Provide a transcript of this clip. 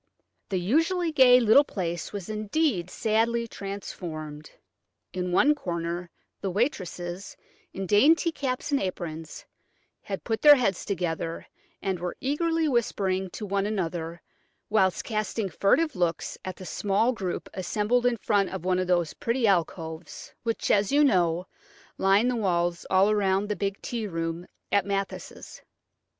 The usually gay little place was indeed sadly transformed. In one corner the waitresses, in dainty caps and aprons, had put their heads together, and were eagerly whispering to one another whilst casting furtive looks at the small group assembled in front of one of those pretty alcoves, which, as you know, line the walls all round the big tea room at Mathis'.